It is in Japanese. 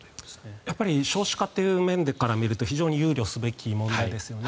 やっぱり少子化という面から言うと非常に憂慮すべき問題ですよね。